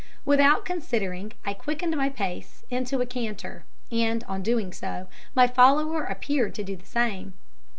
Without considering I quickened my pace into a canter, and on doing so my follower appeared to do the same.